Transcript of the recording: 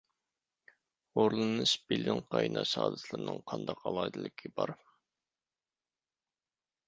ھورلىنىش بىلىن قايناش ھادىسىلىرىنىڭ قانداق ئالاھىدىلىكى بار؟